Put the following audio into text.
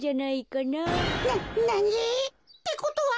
ななに？ってことは。